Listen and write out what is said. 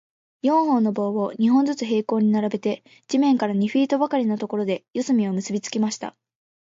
四本の棒を、二本ずつ平行に並べて、地面から二フィートばかりのところで、四隅を結びつけました。